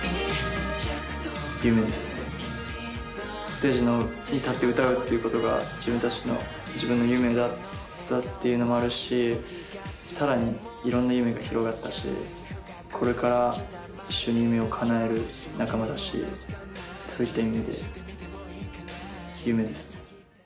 ステージに立って歌うっていうことが自分たちの自分の夢だったっていうのもあるし更にいろんな夢が広がったしこれから一緒に夢をかなえる仲間だしそういった意味で夢ですね。